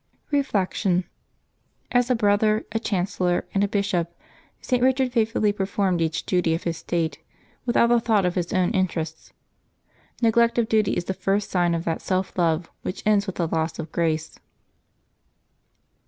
Reflection. — As a brother, as chancellor, and as bishop, St. Eichard faithfully performed each duty of his state without a thought of his own interests. Neglect of duty is the first sign of that self love which ends with the loss of grace.